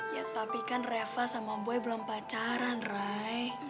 iya tapi kan reva sama boy belum pacaran ray